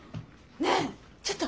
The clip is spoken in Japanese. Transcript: ねえちょっと！